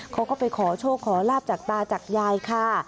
เขาก็ไปขอโชคขอลาบจากตาจากยายค่ะ